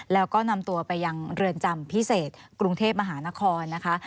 แล้วก็นำตัวไปยังเรือนจำพิเศษกรุงเทพมหานครนะคะ